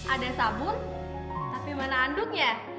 ada sabun tapi mana anduknya